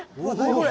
これ。